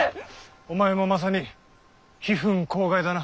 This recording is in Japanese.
お前もまさに「悲憤慷慨」だな。